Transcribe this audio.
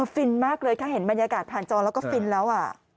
ฟินมากเลยถ้าเห็นบรรยากาศผ่านจอแล้วก็ฟินแล้ว